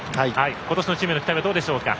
今年のチームへの期待はどうでしょうか？